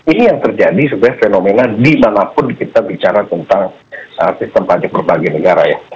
ini yang terjadi sebenarnya fenomena dimanapun kita bicara tentang sistem pajak berbagai negara ya